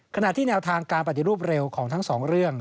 ขณะที่แนวทางการปฏิรูปเร็วของทั้งสองเรื่อง